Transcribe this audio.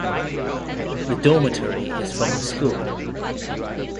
The dormitory is from the school.